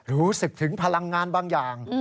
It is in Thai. รู้สึกถึงพลังงานบางอย่าง